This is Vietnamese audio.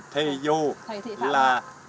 thì dù là